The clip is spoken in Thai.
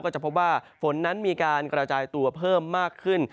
จะพบว่าฝนนั้นมีการกระจายตัวเพิ่มมากขึ้น